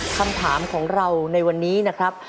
คำถามของเราในวันนี้นะครับ